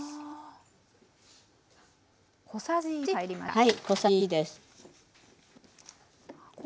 はい。